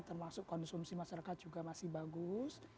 termasuk konsumsi masyarakat juga masih bagus